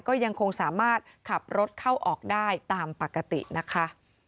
ก็ยังคงสามารถขับรถเข้าออกได้ตามปกตินะคะ